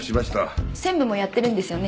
専務もやってるんですよね。